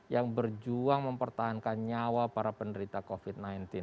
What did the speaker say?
yang berjuang mempertahankan nyawa para penderita covid sembilan belas